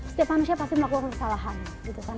setiap manusia pasti melakukan kesalahan gitu kan